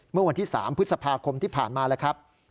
เมื่อวันที่๓พฤษภาคมที่ผ่านมาแล้วครับ